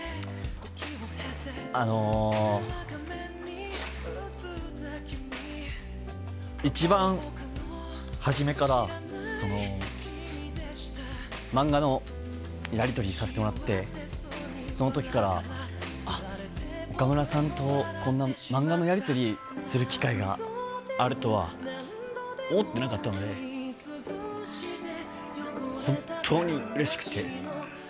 あのー、一番初めから、漫画のやり取りさせてもらって、そのときから、あっ、岡村さんとこんな漫画のやり取りする機会があるとは思ってなかったので、本当にうれしくて。